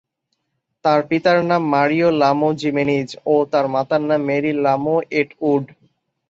তার পিতার নাম মারিও লামো-জিমেনিজ ও মাতার নাম মেরি লামো-এটউড।